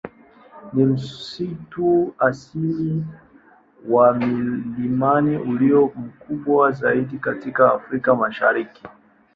Ni msitu asili wa milimani ulio mkubwa zaidi katika Afrika Mashariki.